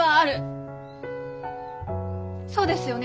そうですよね